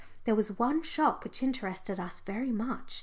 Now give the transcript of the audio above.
There was one shop which interested us very much.